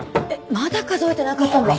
まだ数えてなかったんですか？